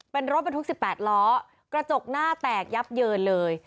เป็นรถบรรทุก๑๘ล้อกระจกหน้าแตกยับเยินเลย